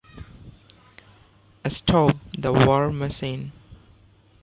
Stop the war machine!